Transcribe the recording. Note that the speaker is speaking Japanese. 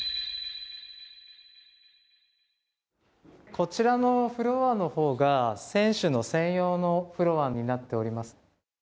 こちらのフロアのほうが、選手の専用のフロアになっております。